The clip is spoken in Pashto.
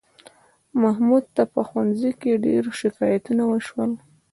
محمود ته په ښوونځي کې ډېر شکایتونه وشول